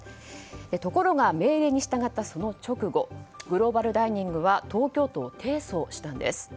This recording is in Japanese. ところが命令に従った、その直後グローバルダイニングは東京都を提訴したんです。